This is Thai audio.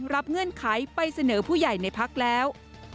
เงื่อนไขไปเสนอผู้ใหญ่ในพักแล้ว